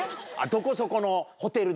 どこそこの。